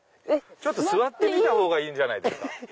座ってみた方がいいんじゃないですか？